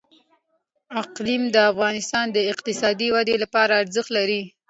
اقلیم د افغانستان د اقتصادي ودې لپاره ارزښت لري.